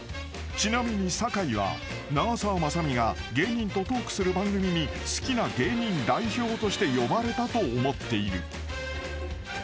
［ちなみに酒井は長澤まさみが芸人とトークする番組に好きな芸人代表として呼ばれたと思っている］